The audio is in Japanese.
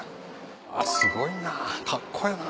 あぁすごいなカッコええな。